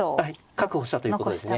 確保したということですね。